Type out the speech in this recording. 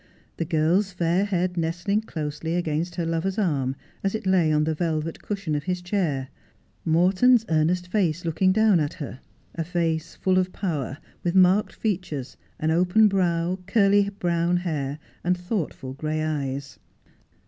The girl's fair head nestling closely against her lover's arm, as it lay on the velvet cushion of his chair ; Morton's earnest face looking down at her — a face full of power, with marked features, an open brow, curly brown hair, and thoughtful gray eyes.